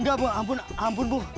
gak bu ampun ampun bu